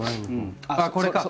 あっこれか！